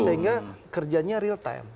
sehingga kerjanya real time